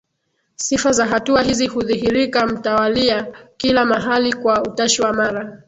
Sifa za hatua hizi hudhihirika mtawalia kila mahali kwa utashi wa mara